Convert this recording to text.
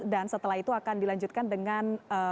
dan setelah itu akan dilanjutkan dengan